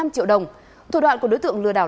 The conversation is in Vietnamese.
năm triệu đồng thủ đoạn của đối tượng lừa đảo